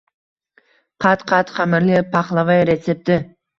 Qat-qat xamirli paxlava retsepti